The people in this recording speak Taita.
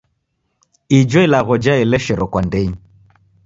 Ijo ilagho jaeleshero kwa ndenyi.